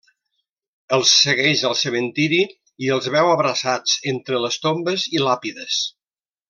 Els segueix al cementiri i els veu abraçats entre les tombes i làpides.